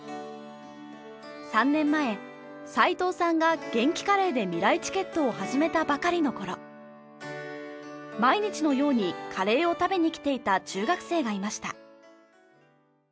３年前齊藤さんがげんきカレーでみらいチケットを始めたばかりの頃毎日のようにカレーを食べに来ていた中学生がいました。